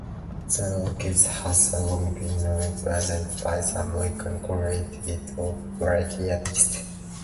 The Rockettes have long been represented by the American Guild of Variety Artists.